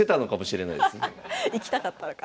行きたかったのかな。